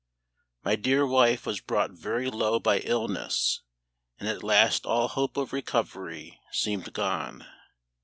My dear wife was brought very low by illness, and at last all hope of recovery seemed gone.